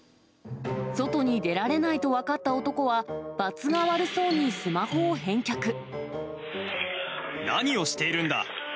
外に出られないと分かった男は、ばつが悪そうに、何をしているんだ。